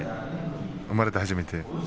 生まれて初めて。